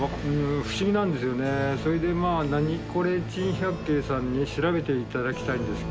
それで『ナニコレ珍百景』さんに調べて頂きたいんです。